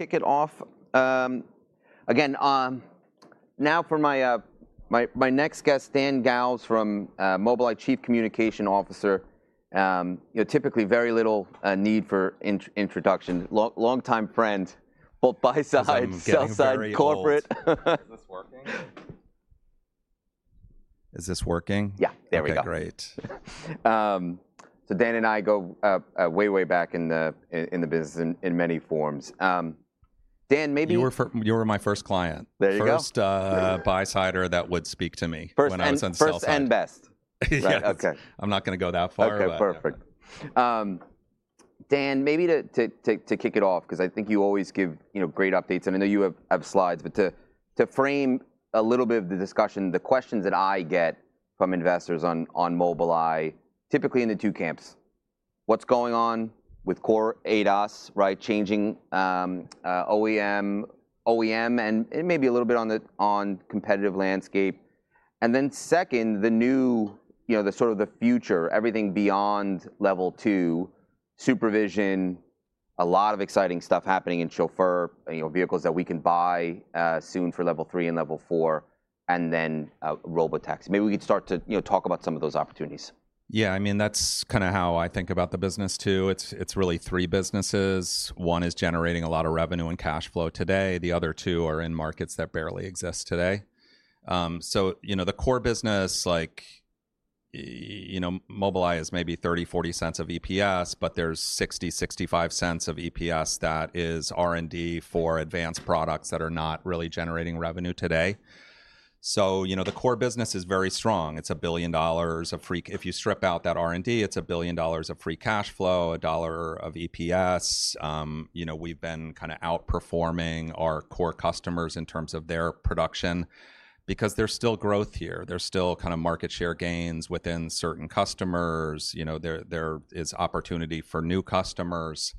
Kick it off again, now for my next guest, Dan Galves from Mobileye, Chief Communications Officer. You know, typically very little need for introduction. Long-time friend, both buy-side, sell-side corporate. Is this working? Is this working? Yeah. There we go. Great. So Dan and I go way, way back in the business in many forms. Dan, maybe. You were my first client. There you go. First, buy-sider, that would speak to me. First answer and best. Yeah. Okay. I'm not gonna go that far. Okay, perfect. Dan, maybe to kick it off, 'cause I think you always give, you know, great updates. I know you have slides, but to frame a little bit of the discussion, the questions that I get from investors on Mobileye, typically in the two camps, what's going on with core ADAS, right? Changing OEM and maybe a little bit on the competitive landscape. And then second, the new, you know, the sort of the future, everything beyond Level 2, SuperVision, a lot of exciting stuff happening in Chauffeur, you know, vehicles that we can buy soon for Level 3 and Level 4, and then Robotaxi. Maybe we could start to, you know, talk about some of those opportunities. Yeah. I mean, that's kind of how I think about the business too. It's really three businesses. One is generating a lot of revenue and cash flow today. The other two are in markets that barely exist today, so you know, the core business, like, you know, Mobileye is maybe $0.30-$0.40 of EPS, but there's $0.60-$0.65 of EPS that is R&D for advanced products that are not really generating revenue today. So, you know, the core business is very strong. It's $1 billion of free cash flow if you strip out that R&D. It's $1 billion of free cash flow, $1 of EPS. You know, we've been kind of outperforming our core customers in terms of their production because there's still growth here. There's still kind of market share gains within certain customers. You know, there is opportunity for new customers.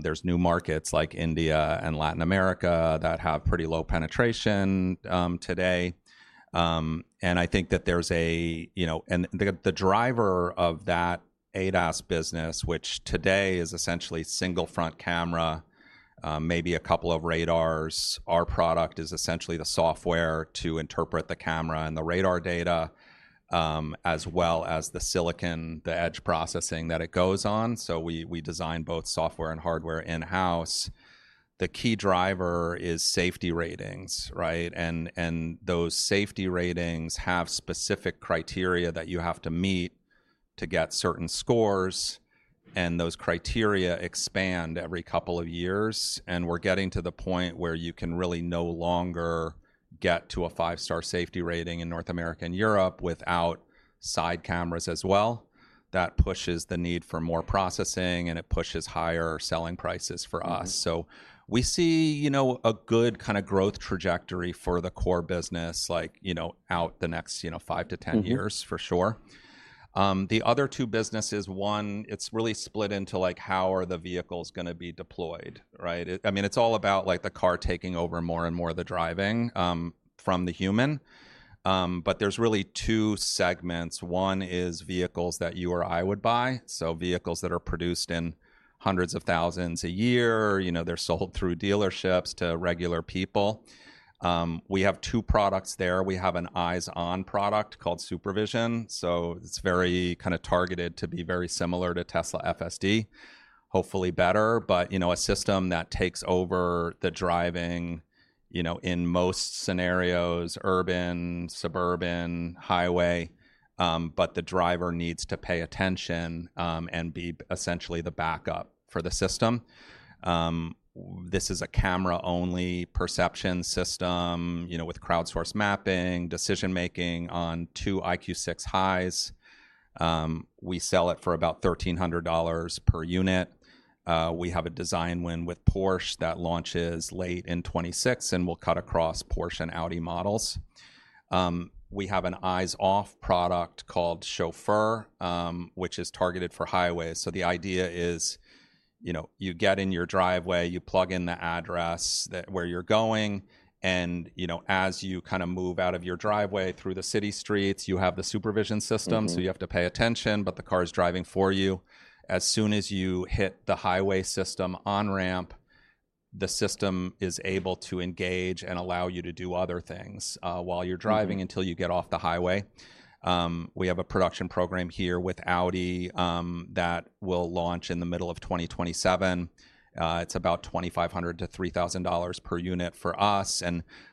There's new markets like India and Latin America that have pretty low penetration today. And I think that there's a, you know, and the driver of that ADAS business, which today is essentially single front camera, maybe a couple of radars. Our product is essentially the software to interpret the camera and the radar data, as well as the silicon, the edge processing that it goes on. So we design both software and hardware in-house. The key driver is safety ratings, right? Those safety ratings have specific criteria that you have to meet to get certain scores. And those criteria expand every couple of years. And we're getting to the point where you can really no longer get to a five-star safety rating in North America and Europe without side cameras as well. That pushes the need for more processing, and it pushes higher selling prices for us. So we see, you know, a good kind of growth trajectory for the core business, like, you know, over the next, you know, five to 10 years for sure. The other two businesses, one, it's really split into, like, how are the vehicles gonna be deployed, right? I mean, it's all about, like, the car taking over more and more of the driving, from the human, but there's really two segments. One is vehicles that you or I would buy. So vehicles that are produced in hundreds of thousands a year, you know, they're sold through dealerships to regular people. We have two products there. We have an Eyes-on product called SuperVision. It's very kind of targeted to be very similar to Tesla FSD, hopefully better, but, you know, a system that takes over the driving, you know, in most scenarios, urban, suburban, highway, but the driver needs to pay attention, and be essentially the backup for the system. This is a camera-only perception system, you know, with crowd-source mapping, decision-making on two EyeQ6 Highs. We sell it for about $1,300 per unit. We have a design win with Porsche that launches late in 2026 and will cut across Porsche and Audi models. We have an Eyes-off product called Chauffeur, which is targeted for highways. The idea is, you know, you get in your driveway, you plug in the address that where you're going, and, you know, as you kind of move out of your driveway through the city streets, you have the SuperVision system, so you have to pay attention, but the car's driving for you. As soon as you hit the highway system on-ramp, the system is able to engage and allow you to do other things, while you're driving until you get off the highway. We have a production program here with Audi, that will launch in the middle of 2027. It's about $2,500-$3,000 per unit for us.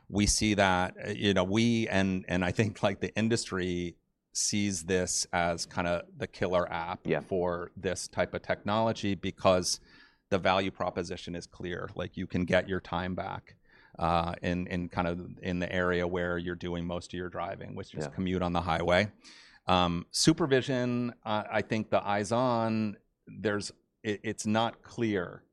We see that, you know, we and I think, like, the industry sees this as kind of the killer app for this type of technology because the value proposition is clear. Like, you can get your time back, in kind of the area where you're doing most of your driving, which is commute on the highway. SuperVision, I think the Eyes-on, there's, it's not clear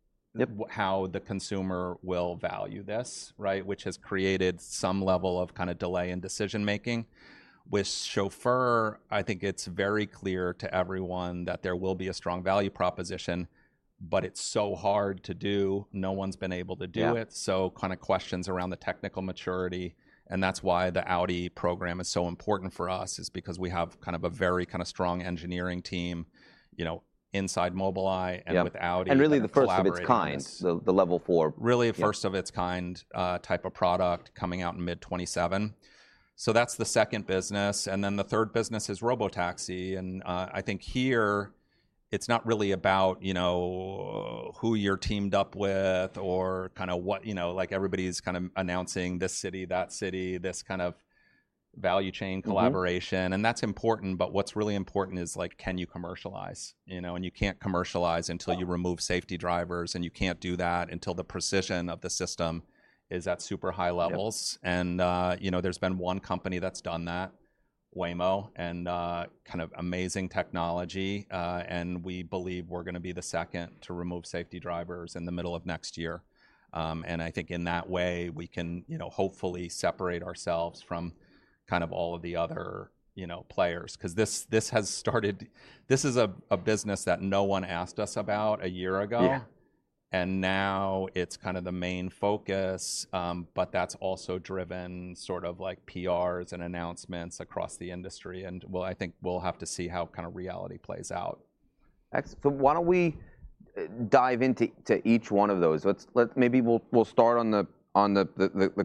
how the consumer will value this, right, which has created some level of kind of delay in decision-making. With Chauffeur, I think it's very clear to everyone that there will be a strong value proposition, but it's so hard to do, no one's been able to do it. So kind of questions around the technical maturity, and that's why the Audi program is so important for us, is because we have kind of a very strong engineering team, you know, inside Mobileye and with Audi. Really the first of its kind, the Level 4. Really, first of its kind, type of product coming out in mid-2027. So that's the second business. And then the third business is Robotaxi. And, I think here it's not really about, you know, who you're teamed up with or kind of what, you know, like, everybody's kind of announcing this city, that city, this kind of value chain collaboration. And that's important, but what's really important is, like, can you commercialize, you know? And you can't commercialize until you remove safety drivers, and you can't do that until the precision of the system is at super high levels. And, you know, there's been one company that's done that, Waymo, and, kind of amazing technology. And we believe we're gonna be the second to remove safety drivers in the middle of next year. And I think in that way we can, you know, hopefully separate ourselves from kind of all of the other, you know, players. 'Cause this has started, this is a business that no one asked us about a year ago. Yeah. Now it's kind of the main focus, but that's also driven sort of like PRs and announcements across the industry. Well, I think we'll have to see how kind of reality plays out. Excellent. So why don't we dive into each one of those? Let's maybe we'll start on the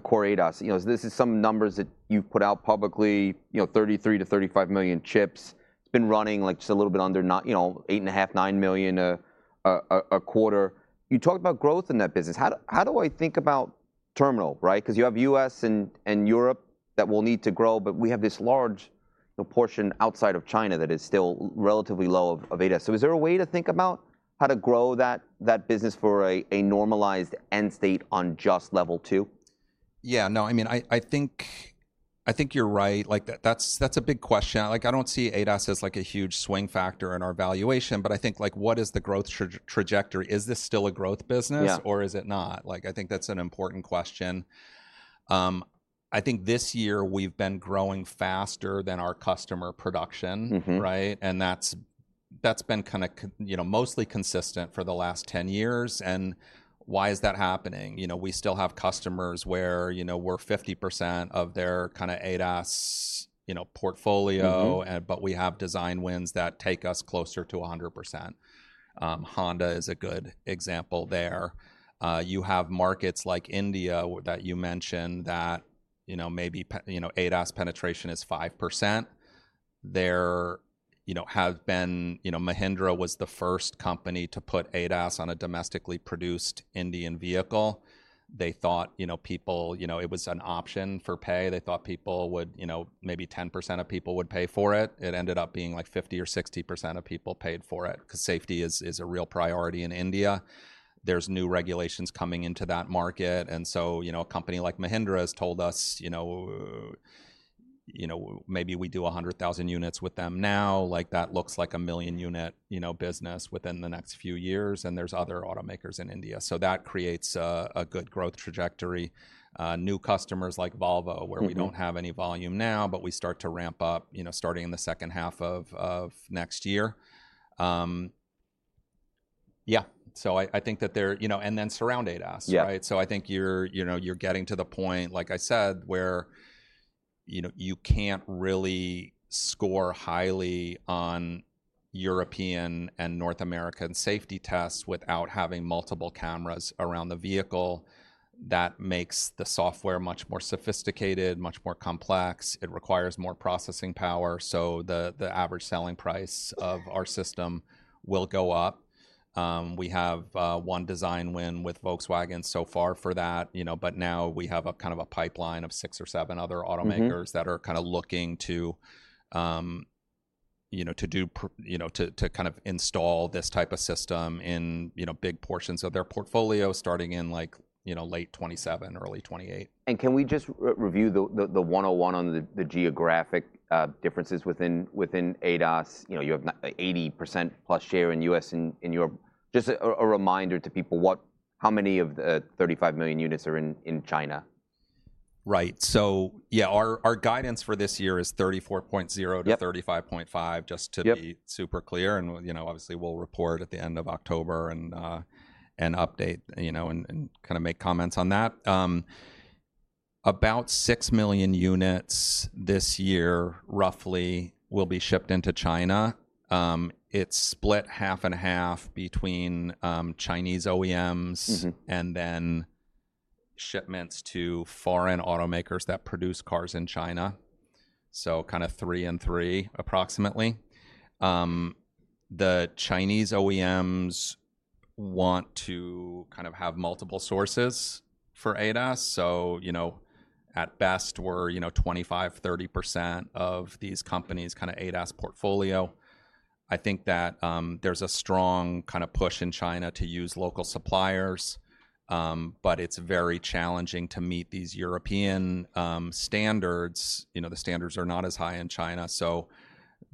core ADAS. You know, this is some numbers that you've put out publicly, you know, 33-35 million chips. It's been running like just a little bit under, not, you know, 8.5 million-9 million a quarter. You talked about growth in that business. How do I think about terminal, right? 'Cause you have U.S. and Europe that will need to grow, but we have this large, you know, portion outside of China that is still relatively low of ADAS. So is there a way to think about how to grow that business for a normalized end state on just Level 2? Yeah. No, I mean, I think you're right. Like, that's a big question. Like, I don't see ADAS as like a huge swing factor in our valuation, but I think, like, what is the growth trajectory? Is this still a growth business? Yeah. Or is it not? Like, I think that's an important question. I think this year we've been growing faster than our customer production, right? That's, that's been kind of, you know, mostly consistent for the last 10 years. Why is that happening? You know, we still have customers where, you know, we're 50% of their kind of ADAS, you know, portfolio, and, but we have design wins that take us closer to 100%. Honda is a good example there. You have markets like India that you mentioned that, you know, maybe, you know, ADAS penetration is 5%. There, you know, have been, you know, Mahindra was the first company to put ADAS on a domestically produced Indian vehicle. They thought, you know, people, you know, it was an option for pay. They thought people would, you know, maybe 10% of people would pay for it. It ended up being like 50% or 60% of people paid for it 'cause safety is a real priority in India. There's new regulations coming into that market. And so, you know, a company like Mahindra has told us, you know, maybe we do a hundred thousand units with them now. Like, that looks like a million unit, you know, business within the next few years. And there's other automakers in India. So that creates a good growth trajectory. New customers like Volvo, where we don't have any volume now, but we start to ramp up, you know, starting in the second half of next year. Yeah. So I think that there, you know, and then surround ADAS, right? Yeah. So I think you're, you know, you're getting to the point, like I said, where, you know, you can't really score highly on European and North American safety tests without having multiple cameras around the vehicle. That makes the software much more sophisticated, much more complex. It requires more processing power. So the average selling price of our system will go up. We have one design win with Volkswagen so far for that, you know, but now we have a kind of a pipeline of six or seven other automakers that are kind of looking to, you know, to do, you know, to, to kind of install this type of system in, you know, big portions of their portfolio starting in like, you know, late 2027, early 2028. Can we just review the 101 on the geographic differences within ADAS? You know, you have 80% plus share in U.S. and Europe. Just a reminder to people how many of the 35 million units are in China? Right. So yeah, our guidance for this year is $34.0-$35.5, just to be super clear. And, you know, obviously we'll report at the end of October and update, you know, and kind of make comments on that. About 6 million units this year roughly will be shipped into China. It's split half and half between Chinese OEMs and then shipments to foreign automakers that produce cars in China. So kind of three and three approximately. The Chinese OEMs want to kind of have multiple sources for ADAS. So, you know, at best we're, you know, 25%-30% of these companies' kind of ADAS portfolio. I think that there's a strong kind of push in China to use local suppliers, but it's very challenging to meet these European standards. You know, the standards are not as high in China, so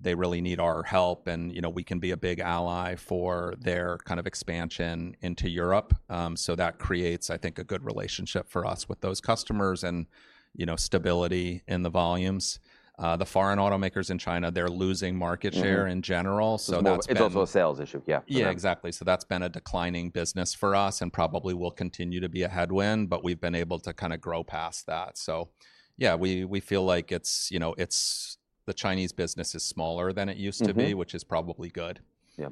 they really need our help. You know, we can be a big ally for their kind of expansion into Europe, so that creates, I think, a good relationship for us with those customers and, you know, stability in the volumes. The foreign automakers in China, they're losing market share in general. It's also a sales issue. Yeah. Yeah, exactly. So that's been a declining business for us and probably will continue to be a headwind, but we've been able to kind of grow past that. So yeah, we, we feel like it's, you know, it's, the Chinese business is smaller than it used to be, which is probably good. Yeah.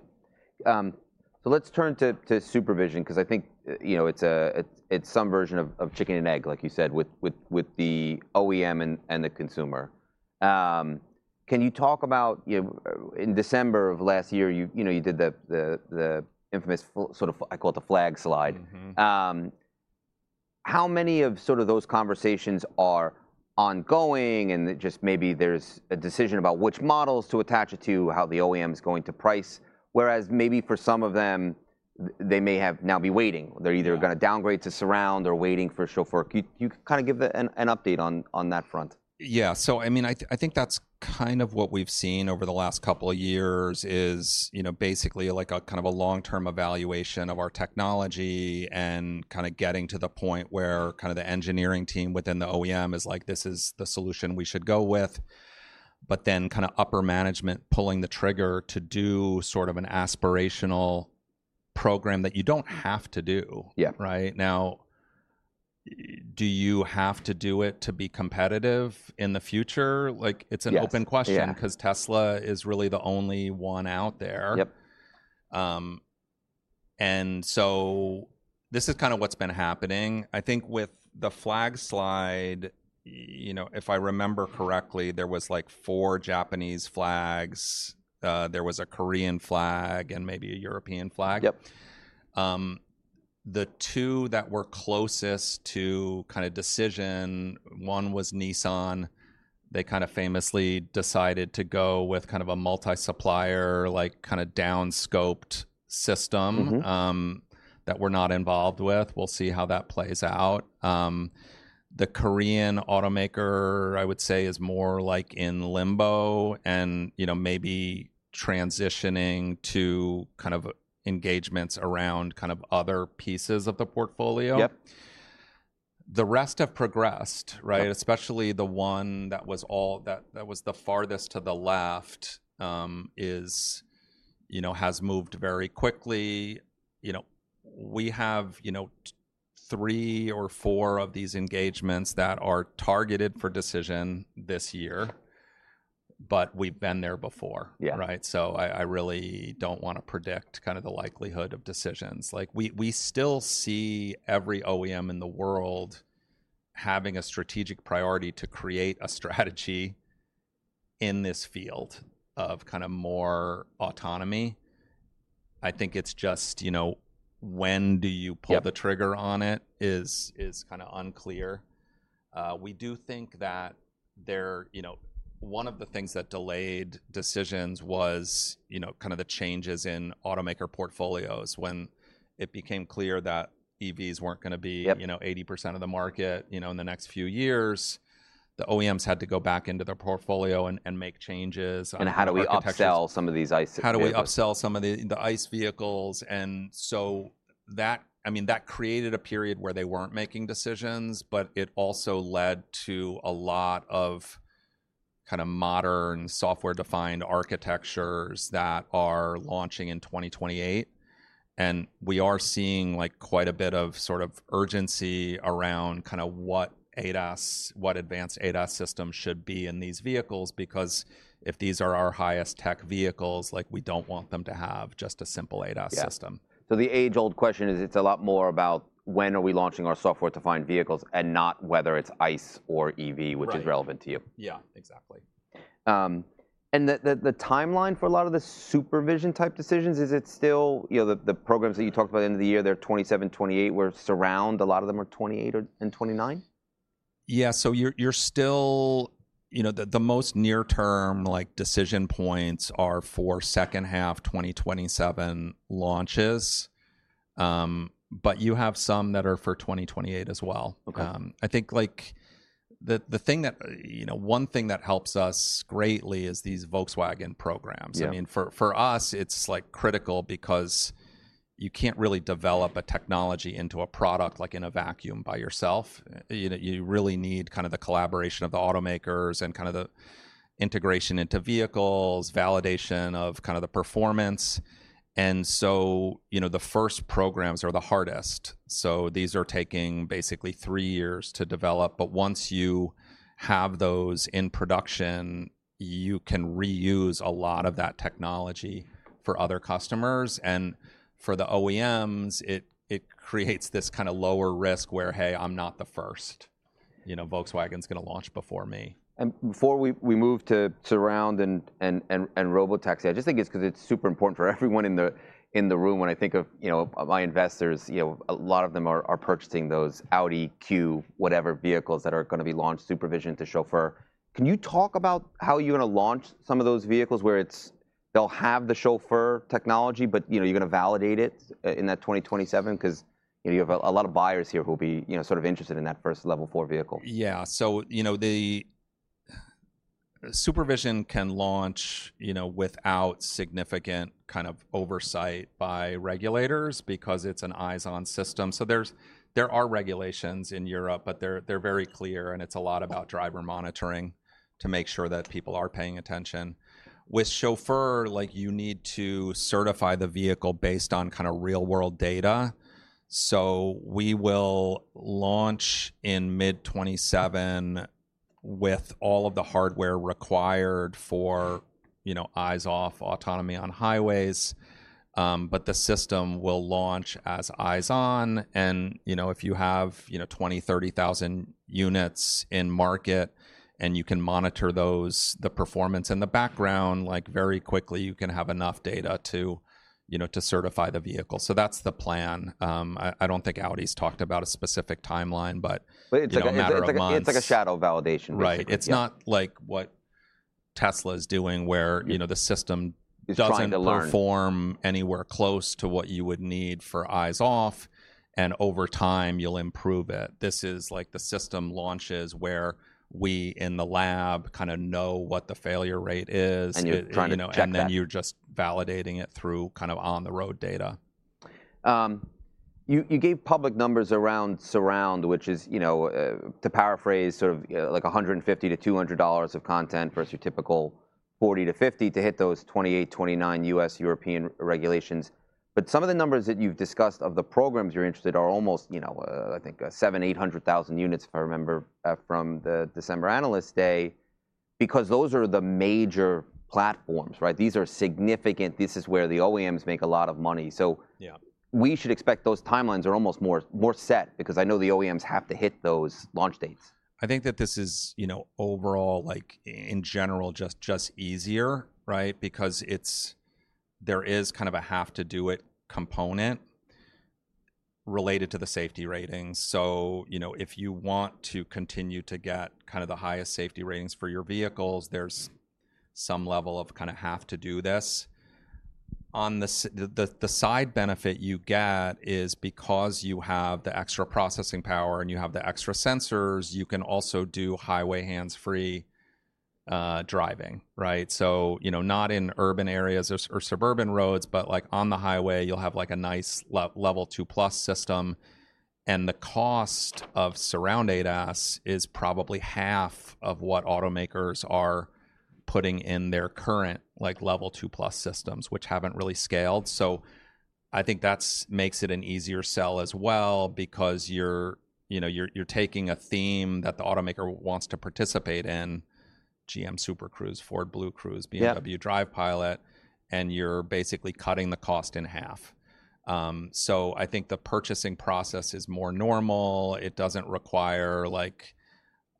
So let's turn to SuperVision 'cause I think, you know, it's some version of chicken and egg, like you said, with the OEM and the consumer. Can you talk about, you know, in December of last year, you know, you did the infamous sort of, I call it the flag slide. How many of sort of those conversations are ongoing and just maybe there's a decision about which models to attach it to, how the OEM's going to price, whereas maybe for some of them they may have now be waiting, they're either gonna downgrade to surround or waiting for Chauffeur. Could you kind of give an update on that front? Yeah. So I mean, I think that's kind of what we've seen over the last couple of years is, you know, basically like a kind of a long-term evaluation of our technology and kind of getting to the point where kind of the engineering team within the OEM is like, this is the solution we should go with, but then kind of upper management pulling the trigger to do sort of an aspirational program that you don't have to do. Yeah. Right? Now, do you have to do it to be competitive in the future? Like, it's an open question 'cause Tesla is really the only one out there. Yep. This is kind of what's been happening. I think with the flag slide, you know, if I remember correctly, there was like four Japanese flags. There was a Korean flag and maybe a European flag. Yep. The two that were closest to kind of decision, one was Nissan. They kind of famously decided to go with kind of a multi-supplier, like kind of down scoped system, that we're not involved with. We'll see how that plays out. The Korean automaker, I would say, is more like in limbo and, you know, maybe transitioning to kind of engagements around kind of other pieces of the portfolio. Yep. The rest have progressed, right? Especially the one that was all, that was the farthest to the left, you know, has moved very quickly. You know, we have, you know, three or four of these engagements that are targeted for decision this year, but we've been there before. Yeah. Right? So I really don't wanna predict kind of the likelihood of decisions. Like, we still see every OEM in the world having a strategic priority to create a strategy in this field of kind of more autonomy. I think it's just, you know, when do you pull the trigger on it is kind of unclear. We do think that there, you know, one of the things that delayed decisions was, you know, kind of the changes in automaker portfolios when it became clear that EVs weren't gonna be. Yep. You know, 80% of the market, you know, in the next few years, the OEMs had to go back into their portfolio and make changes. How do we upsell some of these ICE vehicles? How do we upsell some of the ICE vehicles? And so that, I mean, that created a period where they weren't making decisions, but it also led to a lot of kind of modern software-defined architectures that are launching in 2028. And we are seeing like quite a bit of sort of urgency around kind of what ADAS, what advanced ADAS system should be in these vehicles because if these are our highest tech vehicles, like we don't want them to have just a simple ADAS system. Yeah. So the age-old question is it's a lot more about when are we launching our software-defined vehicles and not whether it's ICE or EV, which is relevant to you. Yeah, exactly. And the timeline for a lot of the SuperVision type decisions, is it still, you know, the programs that you talked about at the end of the year, they're 2027, 2028, whereas a lot of them are 2028 or 2029? Yeah. So you're still, you know, the most near-term like decision points are for second half 2027 launches. But you have some that are for 2028 as well. Okay. I think like the thing that, you know, one thing that helps us greatly is these Volkswagen programs. Yeah. I mean, for us, it's like critical because you can't really develop a technology into a product like in a vacuum by yourself. You know, you really need kind of the collaboration of the automakers and kind of the integration into vehicles, validation of kind of the performance. And so, you know, the first programs are the hardest. So these are taking basically three years to develop, but once you have those in production, you can reuse a lot of that technology for other customers. And for the OEMs, it creates this kind of lower risk where, hey, I'm not the first, you know, Volkswagen's gonna launch before me. And before we move to surround and Robotaxi, I just think it's 'cause it's super important for everyone in the room when I think of, you know, my investors, you know, a lot of them are purchasing those Audi Q whatever vehicles that are gonna be launched SuperVision to Chauffeur. Can you talk about how you're gonna launch some of those vehicles where it's, they'll have the Chauffeur technology, but, you know, you're gonna validate it in that 2027 'cause, you know, you have a lot of buyers here who'll be, you know, sort of interested in that first Level 4 vehicle. Yeah. So, you know, the SuperVision can launch, you know, without significant kind of oversight by regulators because it's an Eyes-on system. So there's, there are regulations in Europe, but they're, they're very clear and it's a lot about driver monitoring to make sure that people are paying attention. With Chauffeur, like you need to certify the vehicle based on kind of real-world data. So we will launch in mid-2027 with all of the hardware required for, you know, Eyes-off autonomy on highways, but the system will launch as Eyes-on. And, you know, if you have, you know, 20,000-30,000 units in market and you can monitor those, the performance in the background, like very quickly you can have enough data to, you know, to certify the vehicle. So that's the plan. I don't think Audi's talked about a specific timeline, but. It's like a shadow validation. Right. It's not like what Tesla's doing where, you know, the system doesn't perform anywhere close to what you would need for Eyes-off. And over time you'll improve it. This is like the system launches where we in the lab kind of know what the failure rate is. And you're trying to. You know, and then you're just validating it through kind of on-the-road data. You gave public numbers around SuperVision, which is, you know, to paraphrase sort of, like $150-$200 of content versus your typical $40-$50 to hit those 2028, 2029 U.S. European regulations. But some of the numbers that you've discussed of the programs you're interested are almost, you know, I think 700,000-800,000 units if I remember, from the December Analyst Day, because those are the major platforms, right? These are significant, this is where the OEMs make a lot of money. So. Yeah. We should expect those timelines are almost more set because I know the OEMs have to hit those launch dates. I think that this is, you know, overall, like in general, just easier, right? Because it's, there is kind of a have to do it component related to the safety ratings. So, you know, if you want to continue to get kind of the highest safety ratings for your vehicles, there's some level of kind of have to do this. On the side benefit you get is because you have the extra processing power and you have the extra sensors, you can also do highway hands-free driving, right? So, you know, not in urban areas or suburban roads, but like on the highway, you'll have like a nice Level 2+ system. The cost of surround ADAS is probably half of what automakers are putting in their current like Level 2+ systems, which haven't really scaled. I think that makes it an easier sell as well because you know, you're taking a theme that the automaker wants to participate in, GM Super Cruise, Ford BlueCruise, BMW Drive Pilot, and you're basically cutting the cost in half. I think the purchasing process is more normal. It doesn't require like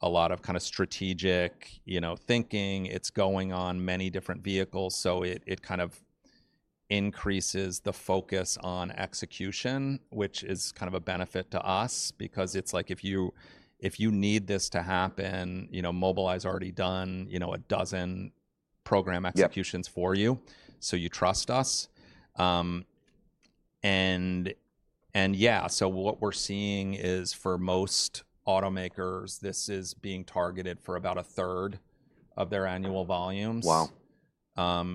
a lot of kind of strategic, you know, thinking. It's going on many different vehicles. It kind of increases the focus on execution, which is kind of a benefit to us because it's like if you need this to happen, you know, Mobileye's already done, you know, a dozen program executions for you. So you trust us, and yeah, so what we're seeing is for most automakers, this is being targeted for about a third of their annual volumes. Wow.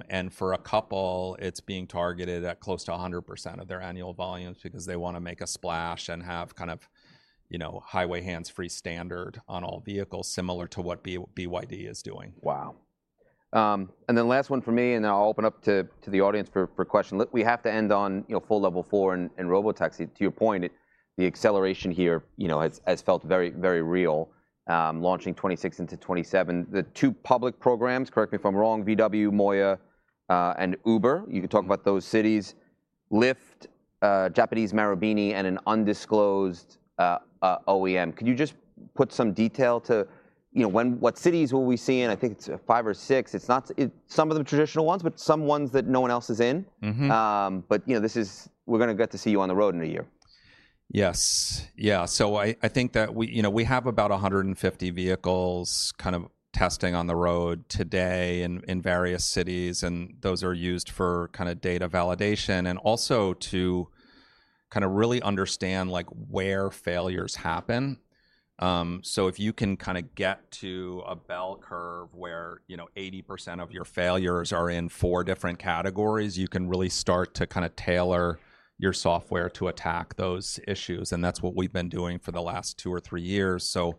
and for a couple, it's being targeted at close to 100% of their annual volumes because they wanna make a splash and have kind of, you know, highway hands-free standard on all vehicles, similar to what BYD is doing. Wow. And then last one for me, and then I'll open up to the audience for questions. We have to end on, you know, full Level 4 and Robotaxi. To your point, the acceleration here, you know, has felt very, very real. Launching 2026 into 2027, the two public programs, correct me if I'm wrong, VW, MOIA, and Uber, you can talk about those cities, Lyft, Japanese Marubeni, and an undisclosed OEM. Could you just put some detail to, you know, when, what cities will we see in? I think it's five or six. It's not, it's some of the traditional ones, but some ones that no one else is in. Mm-hmm. But you know, this is, we're gonna get to see you on the road in a year. Yes. Yeah. So I think that we, you know, we have about 150 vehicles kind of testing on the road today in various cities, and those are used for kind of data validation and also to kind of really understand like where failures happen. So if you can kind of get to a bell curve where, you know, 80% of your failures are in four different categories, you can really start to kind of tailor your software to attack those issues. And that's what we've been doing for the last two or three years. So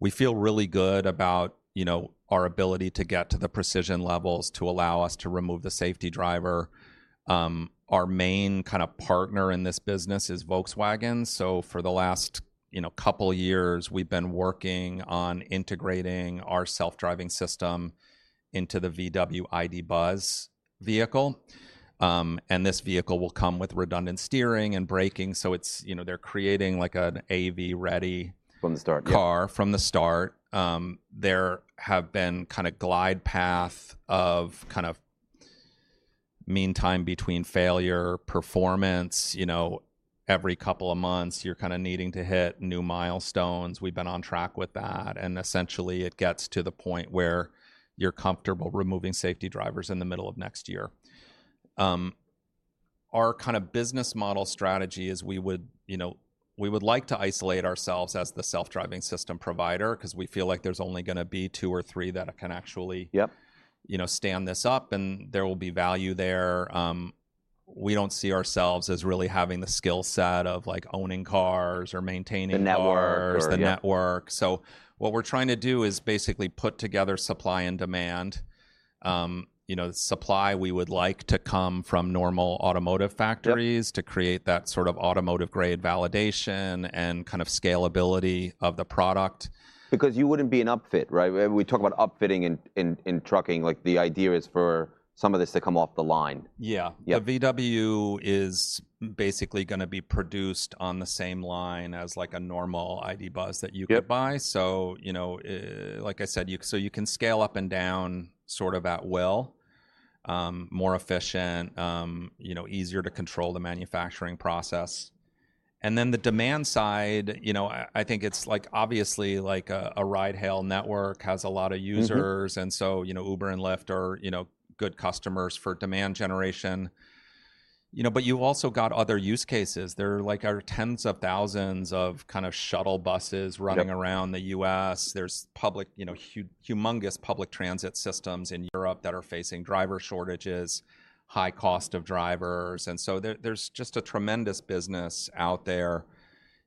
we feel really good about, you know, our ability to get to the precision levels to allow us to remove the safety driver. Our main kind of partner in this business is Volkswagen. So for the last, you know, couple years, we've been working on integrating our self-driving system into the VW ID. Buzz vehicle, and this vehicle will come with redundant steering and braking. So it's, you know, they're creating like an AV ready. From the start. Car from the start. There have been kind of a glide path of kind of mean time between failure performance, you know, every couple of months you're kind of needing to hit new milestones. We've been on track with that. And essentially it gets to the point where you're comfortable removing safety drivers in the middle of next year. Our kind of business model strategy is we would, you know, we would like to isolate ourselves as the self-driving system provider 'cause we feel like there's only gonna be two or three that can actually. Yep. You know, stand this up and there will be value there. We don't see ourselves as really having the skillset of like owning cars or maintaining cars. The network. The network. So what we're trying to do is basically put together supply and demand. You know, supply we would like to come from normal automotive factories to create that sort of automotive-grade validation and kind of scalability of the product. Because you wouldn't be an upfit, right? We talk about upfitting in trucking. Like the idea is for some of this to come off the line. Yeah. The VW is basically gonna be produced on the same line as like a normal ID. Buzz that you could buy. So, you know, like I said, so you can scale up and down sort of at will, more efficient, you know, easier to control the manufacturing process. And then the demand side, you know, I think it's like obviously like a ride hail network has a lot of users. And so, you know, Uber and Lyft are, you know, good customers for demand generation, you know, but you also got other use cases. There are like our tens of thousands of kind of shuttle buses running around the U.S. There's, you know, humongous public transit systems in Europe that are facing driver shortages, high cost of drivers. And so there, there's just a tremendous business out there,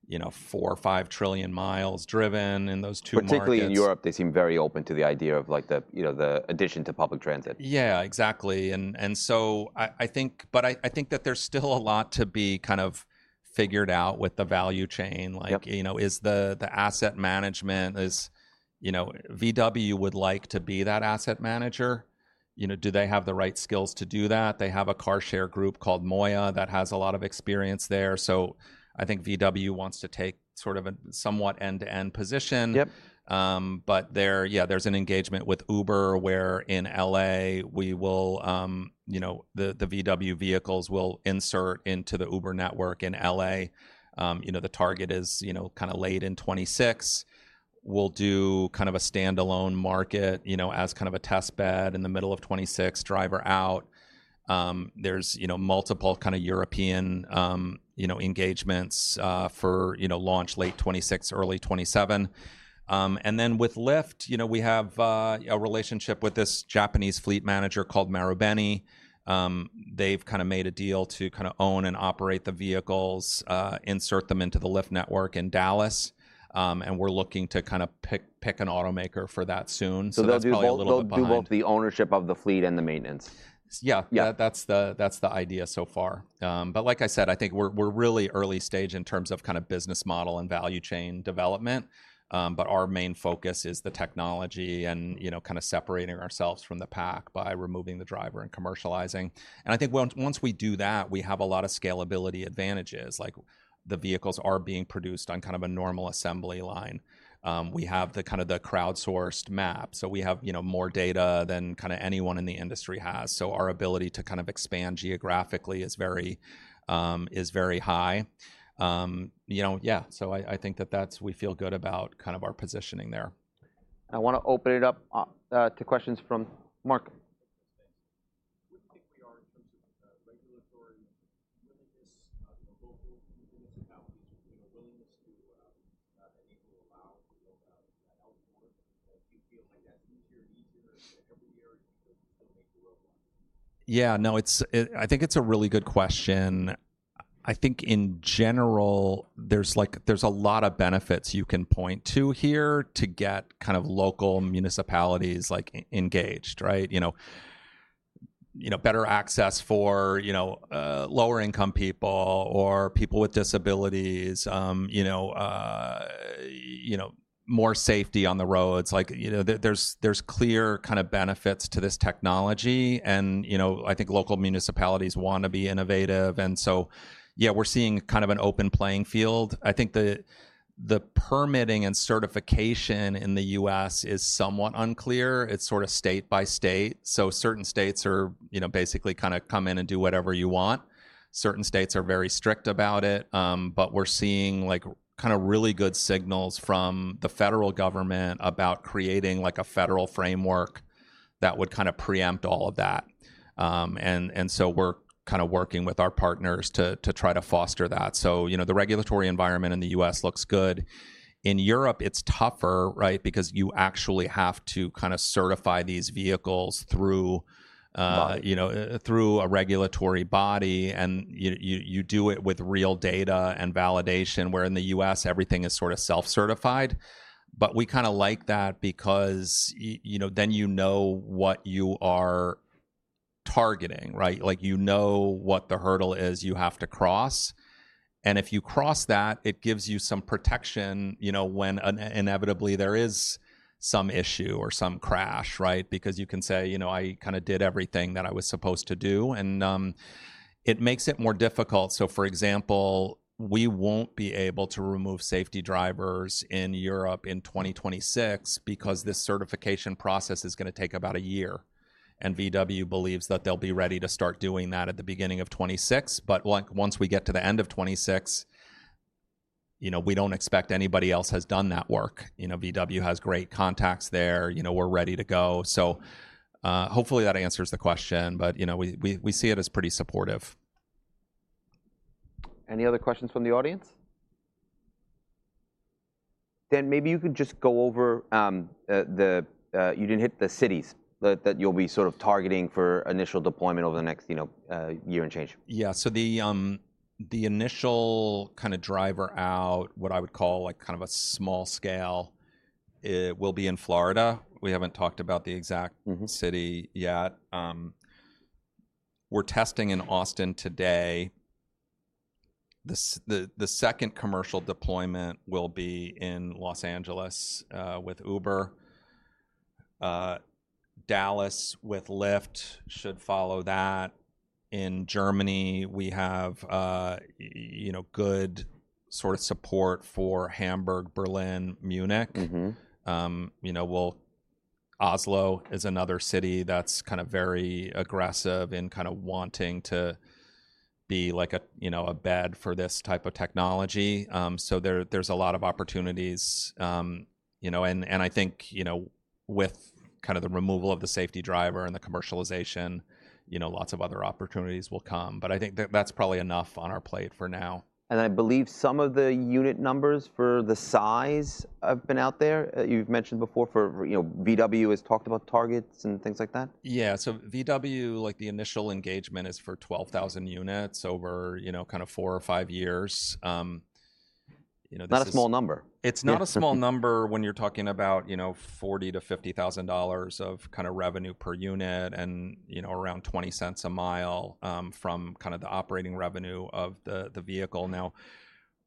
you know, four or five trillion miles driven in those two markets. Particularly in Europe, they seem very open to the idea of, like, the, you know, the addition to public transit. Yeah, exactly. And so I think that there's still a lot to be kind of figured out with the value chain. Like, you know, is the asset management, you know, VW would like to be that asset manager. You know, do they have the right skills to do that? They have a car share group called MOIA that has a lot of experience there. So I think VW wants to take sort of a somewhat end-to-end position. Yep. But there, yeah, there's an engagement with Uber where in LA we will, you know, the VW vehicles will insert into the Uber network in LA. You know, the target is, you know, kind of late in 2026. We'll do kind of a standalone market, you know, as kind of a test bed in the middle of 2026, driver out. There's, you know, multiple kind of European, you know, engagements, for, you know, launch late 2026, early 2027. And then with Lyft, you know, we have a relationship with this Japanese fleet manager called Marubeni. They've kind of made a deal to kind of own and operate the vehicles, insert them into the Lyft network in Dallas. And we're looking to kind of pick an automaker for that soon. So they'll do both. So they'll do both the ownership of the fleet and the maintenance. Yeah. That's the idea so far, but like I said, I think we're really early stage in terms of kind of business model and value chain development, but our main focus is the technology and, you know, kind of separating ourselves from the pack by removing the driver and commercializing. I think once we do that, we have a lot of scalability advantages. Like the vehicles are being produced on kind of a normal assembly line. We have the kind of crowdsourced map. So we have, you know, more data than kind of anyone in the industry has. So our ability to kind of expand geographically is very high. You know, yeah. So I think that's. We feel good about kind of our positioning there. I wanna open it up to questions from Mark. Where do you think we are in terms of regulatory willingness, local municipalities, you know, willingness to enable, allow to go out, outdoor? Do you feel like that's easier and easier every year? Do you still make the road less? Yeah. No, it's, I think it's a really good question. I think in general, there's like a lot of benefits you can point to here to get kind of local municipalities like engaged, right? You know, better access for lower income people or people with disabilities, you know, more safety on the roads. Like, you know, there's clear kind of benefits to this technology. And, you know, I think local municipalities wanna be innovative. And so, yeah, we're seeing kind of an open playing field. I think the permitting and certification in the U.S. is somewhat unclear. It's sort of state by state. So certain states are, you know, basically kind of come in and do whatever you want. Certain states are very strict about it. But we're seeing like kind of really good signals from the Federal Government about creating like a federal framework that would kind of preempt all of that. And, and so we're kind of working with our partners to, to try to foster that. So, you know, the regulatory environment in the U.S. looks good. In Europe, it's tougher, right? Because you actually have to kind of certify these vehicles through, Wow. You know, through a regulatory body. And you do it with real data and validation where in the U.S. everything is sort of self-certified. But we kind of like that because you know, then you know what you are targeting, right? Like you know what the hurdle is you have to cross. And if you cross that, it gives you some protection, you know, when inevitably there is some issue or some crash, right? Because you can say, you know, I kind of did everything that I was supposed to do. And it makes it more difficult. So for example, we won't be able to remove safety drivers in Europe in 2026 because this certification process is gonna take about a year. And VW believes that they'll be ready to start doing that at the beginning of 2026. But like once we get to the end of 2026, you know, we don't expect anybody else has done that work. You know, VW has great contacts there. You know, we're ready to go. So, hopefully that answers the question, but you know, we see it as pretty supportive. Any other questions from the audience? Dan, maybe you could just go over. You didn't hit the cities that you'll be sort of targeting for initial deployment over the next, you know, year and change. Yeah. So the initial kind of driver out, what I would call like kind of a small scale, will be in Florida. We haven't talked about the exact city yet. We're testing in Austin today. The second commercial deployment will be in Los Angeles, with Uber. Dallas with Lyft should follow that. In Germany, we have, you know, good sort of support for Hamburg, Berlin, Munich. Mm-hmm. You know, well, Oslo is another city that's kind of very aggressive in kind of wanting to be like a, you know, a hub for this type of technology, so there, there's a lot of opportunities, you know, and, and I think, you know, with kind of the removal of the safety driver and the commercialization, you know, lots of other opportunities will come, but I think that that's probably enough on our plate for now. And I believe some of the unit numbers for the size have been out there. You've mentioned before for, you know, VW has talked about targets and things like that. Yeah. So VW, like the initial engagement is for 12,000 units over, you know, kind of four or five years. You know. Not a small number. It's not a small number when you're talking about, you know, $40,000-$50,000 of kind of revenue per unit and, you know, around $0.20 a mile, from kind of the operating revenue of the, the vehicle. Now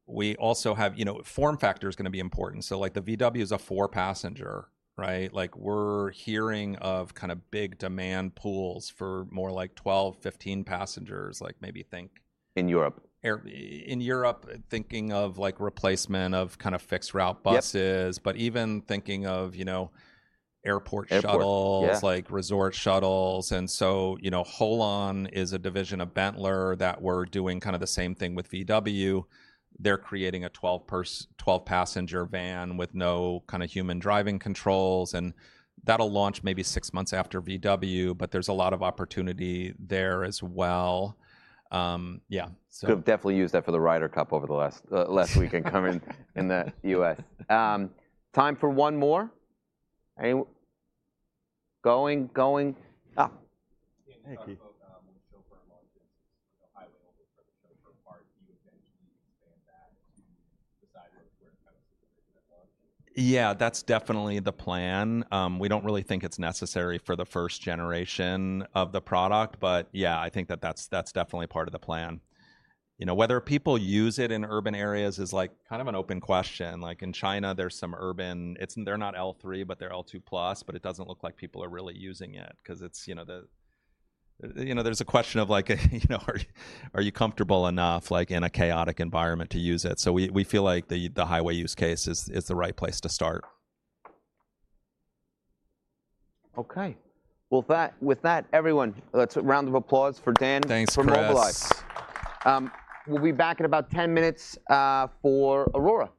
we also have, you know, form factor is gonna be important. So like the VW is a four passenger, right? Like we're hearing of kind of big demand pools for more like 12-15 passengers, like maybe think. In Europe. Yeah, in Europe, thinking of like replacement of kind of fixed route buses. Yes. But even thinking of, you know, airport shuttles. Shuttles. Like resort shuttles. And so, you know, Holon is a division of Benteler that we're doing kind of the same thing with VW. They're creating a 12-person, 12-passenger van with no kind of human driving controls. And that'll launch maybe six months after VW, but there's a lot of opportunity there as well. Yeah. So. Could definitely use that for the Ryder Cup over the last, last weekend coming in the U.S. Time for one more. Hey, going, going. Thank you. When the Chauffeur launches, it's like a highway only for the Chauffeur part. Do you intend to expand that to decide what kind of system they're gonna launch? Yeah, that's definitely the plan. We don't really think it's necessary for the first generation of the product, but yeah, I think that that's, that's definitely part of the plan. You know, whether people use it in urban areas is like kind of an open question. Like in China, there's some urban, it's, they're not L3, but they're L2+, but it doesn't look like people are really using it 'cause it's, you know, the, you know, there's a question of like, you know, are, are you comfortable enough like in a chaotic environment to use it? So we, we feel like the, the highway use case is, is the right place to start. Okay. Well, with that, everyone, let's give a round of applause for Dan. Thanks press. For Mobileye. We'll be back in about 10 minutes, for Aurora.